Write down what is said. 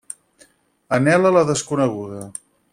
Anhela la desconeguda.